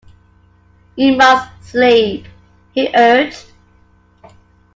You must sleep, he urged.